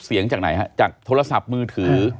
เสียงจากไหนฮะจากโทรศัพท์มือถือ